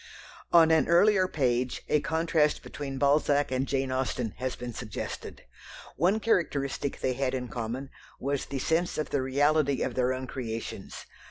On an earlier page a contrast between Balzac and Jane Austen has been suggested. One characteristic they had in common was the sense of the reality of their own creations.